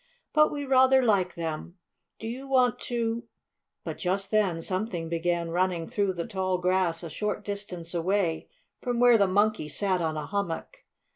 But we rather like them. Do you want to " But just then something began running through the tall grass a short distance away from where the Monkey sat on a hummock.